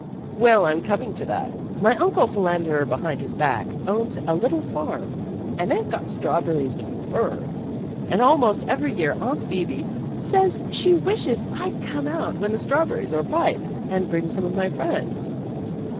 "Well, I'm coming to that. My Uncle Phil ander Behind His Back owns a little farm, and they've got strawberries to burn. And almost every year Aunt Phoebe says she wishes I'd come out when the strawberries are ripe and bring some of my friends."